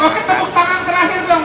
oke tepuk tangan terakhir dong